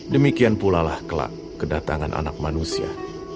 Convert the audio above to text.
demikian pula lah kelak kedatangan anak manusia